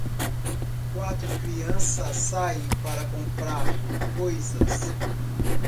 Quatro crianças saem para comprar coisas